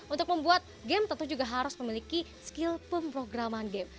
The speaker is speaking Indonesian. untuk membuat game tentu juga harus memiliki skill pemrograman game